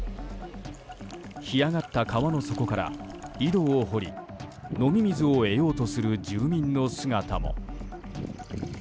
干上がった川の底から井戸を掘り飲み水を得ようとする住民の姿も。